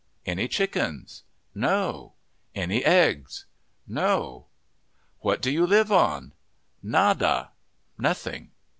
"Any chickens?" "No." "Any eggs?" "No." "What do you live on?" "Nada" (nothing).